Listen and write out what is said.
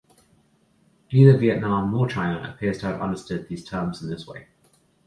Neither Vietnam nor China appears to have understood these terms in this way.